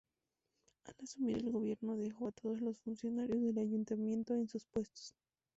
Al asumir el gobierno dejó a todos los funcionarios del Ayuntamiento en sus puestos.